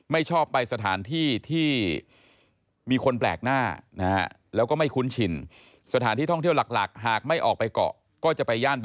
ชอบไปสถานที่ที่มีคนแปลกหน้านะฮะ